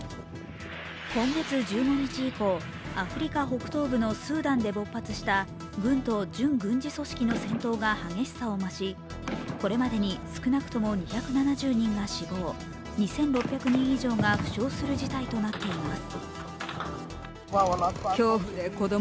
今月１５日以降、アフリカ北東部のスーダンで勃発した軍と準軍事組織の戦闘が激しさを増しこれまでに少なくとも２７０人が死亡２６００人以上が負傷する事態となっています。